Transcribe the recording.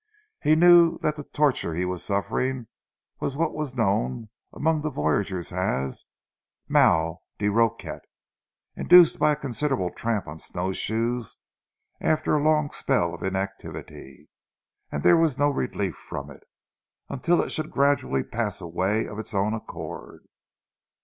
He knew that the torture he was suffering was what was known among the voyageurs as mal de roquette, induced by a considerable tramp on snow shoes after a long spell of inactivity, and that there was no relief from it, until it should gradually pass away of its own accord.